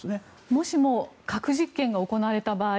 もしも核実験が行われた場合